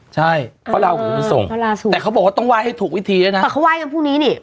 ใช่เพราะเราไม่ส่งแต่เขาบอกว่าต้องว่ายให้ถูกวิธีเลยนะแต่เขาว่ายกันพรุ่งนี้นี่